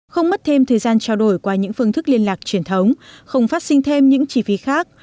không mất thêm thời gian trao đổi qua những phương thức liên lạc truyền thống không phát sinh thêm những chi phí khác